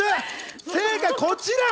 正解、こちら。